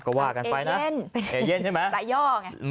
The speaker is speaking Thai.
ก็ว่ากันไปนะเป็นเอเยนใช่ไหม